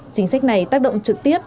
chính sách này tác động trực tiếp